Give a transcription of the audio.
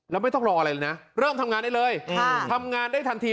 แล้วไม่ต้องรออะไรเลยนะเริ่มทำงานได้เลยทำงานได้ทันที